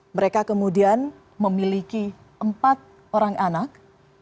mereka kemudian memiliki empat orang anak